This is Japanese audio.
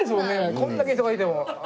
これだけ人がいても。